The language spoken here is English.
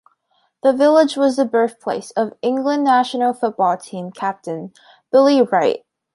The village was the birthplace of England National Football Team captain Billy Wright.